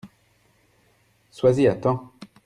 Sois-y à temps !